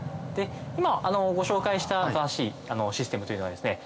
今ご紹介した新しいシステムというのはですね